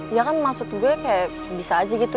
ya kan maksud gue kayak bisa aja gitu